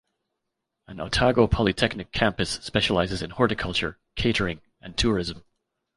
An Otago Polytechnic campus specialises in horticulture, catering and tourism.